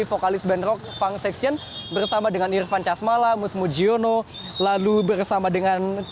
vokalis band rock funk section bersama dengan irfan chasmala musmu jiono lalu bersama dengan